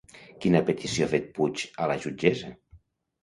Quina petició ha fet Puig a la jutgessa?